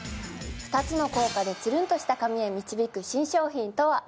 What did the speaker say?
２つの効果でつるんとした髪へ導く新商品とは？